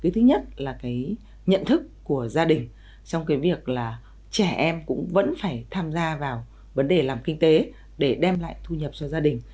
thứ nhất là nhận thức của gia đình trong việc trẻ em cũng vẫn phải tham gia vào vấn đề làm kinh tế để đem lại thu nhập cho gia đình